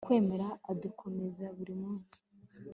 kwemera, adukomeze, buri munsi